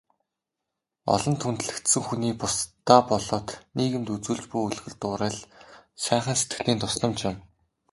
Олонд хүндлэгдсэн хүний бусдадаа болоод нийгэмд үзүүлж буй үлгэр дуурайл, сайхан сэтгэлийн тусламж юм.